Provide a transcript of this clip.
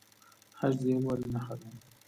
حج د یووالي نښه ده